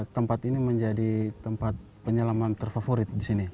di sini tempat ini menjadi tempat penyelaman terfavorit